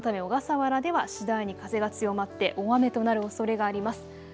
このため小笠原では次第に風が強まって大雨となるおそれがあります。